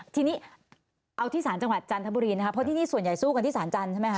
ทีนี้เอาที่สารจังหวัดจันทบุรีนะคะเพราะที่นี่ส่วนใหญ่สู้กันที่สารจันทร์ใช่ไหมค